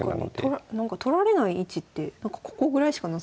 取られない位置ってここぐらいしかなさそう。